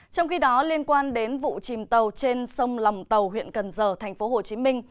trong khi đó liên quan đến vụ chìm tàu trên sông lòng tàu huyện cần giờ tp hcm